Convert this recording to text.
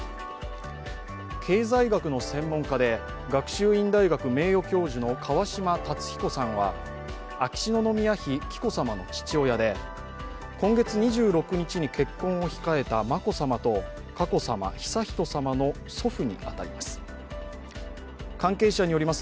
経済学の専門家で学習院大学名誉教授の川嶋辰彦さんは、秋篠宮妃・紀子さまの父親で今月２６日に結婚を控えた眞子さまと佳子さま、悠仁さまの祖父に当たります。